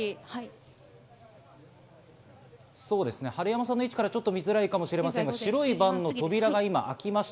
治山さんの位置から見づらいかもしれませんが、白いバンの扉が今、開きました。